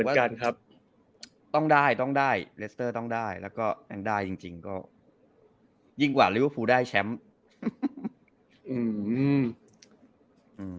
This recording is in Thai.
ว่ากันครับต้องได้ต้องได้เลสเตอร์ต้องได้แล้วก็ได้จริงก็ยิ่งกว่าริวฟูได้แชมป์